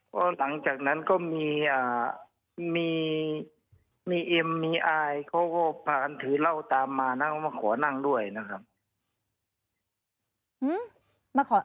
ก็หลังจากนั้นก็มีมีเอ็มมีอายเขาก็พากันถือเหล้าตามมานะเขามาขอนั่งด้วยนะครับ